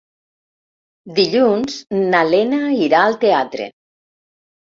Dilluns na Lena irà al teatre.